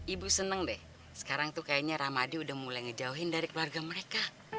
ibu seneng deh sekarang tuh kayaknya ramadi udah mulai ngejauhin dari keluarga mereka